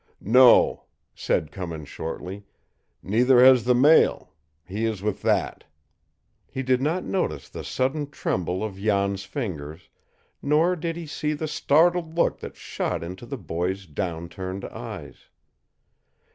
"No," said Cummins shortly. "Neither has the mail. He is with that." He did not notice the sudden tremble of Jan's fingers, nor did he see the startled look that shot into the boy's down turned eyes.